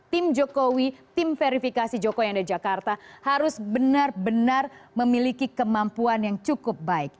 tim jokowi tim verifikasi jokowi yang ada di jakarta harus benar benar memiliki kemampuan yang cukup baik